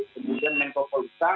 kemudian menko polis